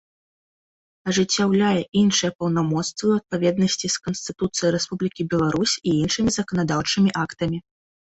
Ажыццяўляе iншыя паўнамоцтвы ў адпаведнасцi з Канстытуцыяй Рэспублiкi Беларусь i iншымi заканадаўчымi актамi.